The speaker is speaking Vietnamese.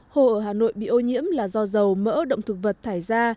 hồ ở hà nội bị ô nhiễm là do dầu mỡ động thực vật thải ra